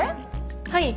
はい。